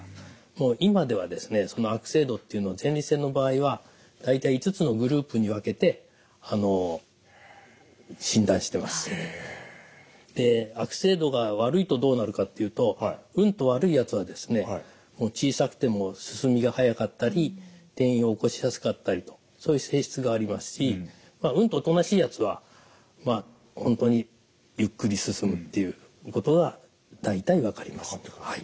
もう今ではですねその悪性度っていうのは前立腺の場合はで悪性度が悪いとどうなるかっていうとうんと悪いやつはですね小さくても進みが速かったり転移を起こしやすかったりとそういう性質がありますしうんとおとなしいやつは本当にゆっくり進むっていうことが大体分かります。